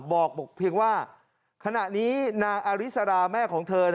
บอกเพียงว่าขณะนี้นางอาริสราแม่ของเธอ